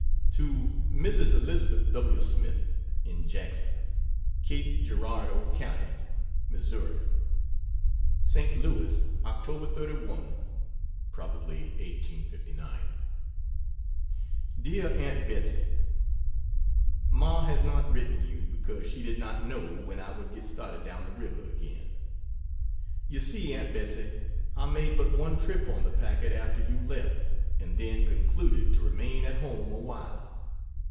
To Mrs. Elizabeth W. Smith, in Jackson, Cape Girardeau County, Mo.: ST. Louis, Oct. 31 [probably 1859]. DEAR AUNT BETSEY, Ma has not written you, because she did not know when I would get started down the river again.... You see, Aunt Betsey, I made but one trip on the packet after you left, and then concluded to remain at home awhile.